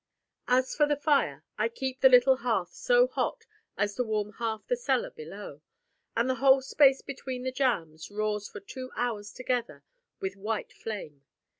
As for the fire, I keep the little hearth so hot as to warm half the cellar below, and the whole space between the jams roars for two hours together with white flame.